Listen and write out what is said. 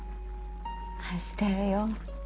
愛してるよ。